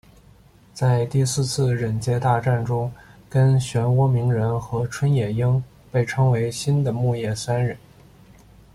在第四次忍界大战中跟漩涡鸣人和春野樱被称为新的木叶三忍。